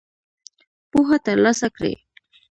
پوهه تر لاسه کړئ